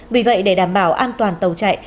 vì vậy để đảm bảo an toàn tàu chạy